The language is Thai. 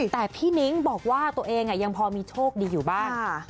แต่พี่นิ้งบอกว่าตัวเองยังพอมีโชคดีอยู่บ้าง